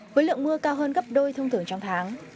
với lượng mưa cao hơn gấp đôi thông thường trong tháng